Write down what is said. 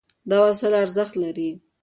دا وسایل ارزښت لري.